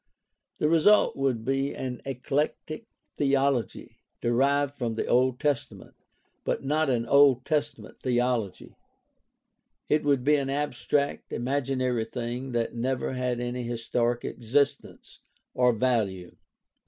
The result would be an eclectic theology derived from the Old Testament, but not an Old Testament theology; it would be an abstract, imaginary thing that never had any historic existence or value.